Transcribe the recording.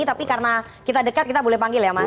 tapi karena kita dekat kita boleh panggil ya mas